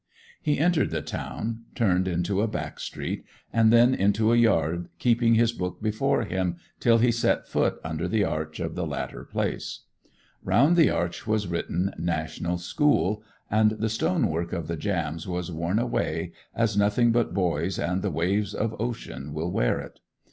He entered the town, turned into a back street, and then into a yard, keeping his book before him till he set foot under the arch of the latter place. Round the arch was written 'National School,' and the stonework of the jambs was worn away as nothing but boys and the waves of ocean will wear it.